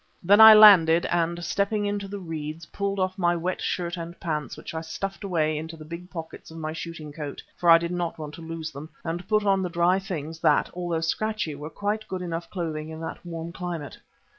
Then I landed and stepping into the reeds, pulled off my wet shirt and pants, which I stuffed away into the big pockets of my shooting coat, for I did not want to lose them, and put on the dry things that, although scratchy, were quite good enough clothing in that warm climate.